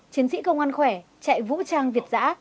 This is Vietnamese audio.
chiến sĩ công an khỏe chạy vũ trang việt giã